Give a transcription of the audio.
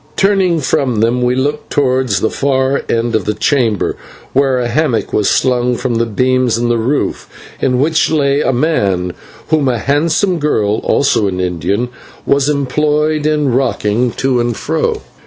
Turning from them we looked towards the far end of the chamber, where a hammock was slung from the beams in the roof, in which lay a man whom a handsome girl, also an Indian, was employed in rocking to and fro.